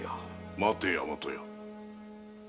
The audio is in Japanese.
待て大和屋。